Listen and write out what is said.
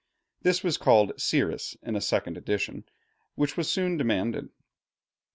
This was called 'Siris' in a second edition which was soon demanded.